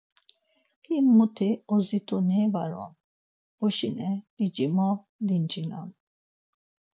Him, muti ozit̆oni var on, boşine p̌ici mo dinç̌inam.